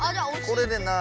これで「な」。